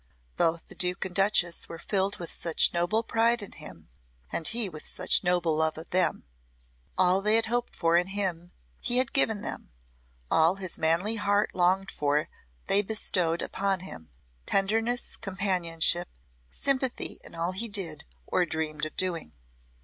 Both the Duke and Duchess were filled with such noble pride in him and he with such noble love of them. All they had hoped for in him he had given them, all his manly heart longed for they bestowed upon him tenderness, companionship, sympathy in all he did or dreamed of doing.